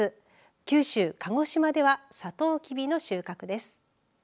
九州、鹿児島ではさとうきびの収穫です。